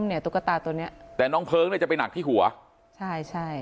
เนี้ยตัวตาตัวเนี้ยแต่น้องเพิ้งเลยจะเป็นหนักที่หัวใช่